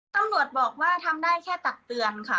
ตำรวจบอกว่าทำได้แค่ตักเตือนค่ะ